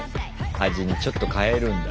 味にちょっと変えるんだ。